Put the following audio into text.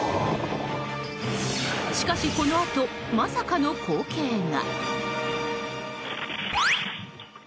しかし、このあとまさかの光景が。